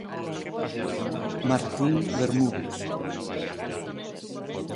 Martín Bermúdez.